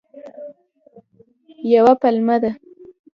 یوه پلمه ده.